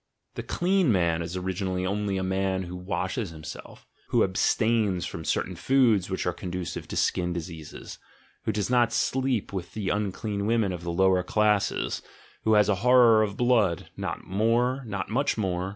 The "clean man" is originally only a man who washes himself, who abstains from certain foods which are conducive to skin diseases, who does not sleep with the unclean women of the lower classes, who has a horror of blood — not more, not much more!